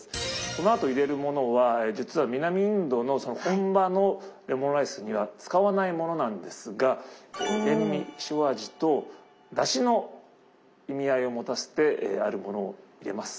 このあと入れるものは実は南インドの本場のレモンライスには使わないものなんですが塩み塩味とだしの意味合いを持たせてあるものを入れます。